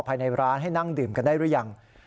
ภายในร้านให้นั่งดื่มกันได้หรือยัง